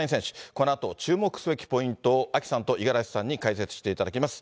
このあと注目すべきポイントを、アキさんと五十嵐さんに解説していただきます。